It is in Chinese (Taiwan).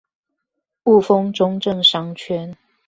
霧峰中正商圈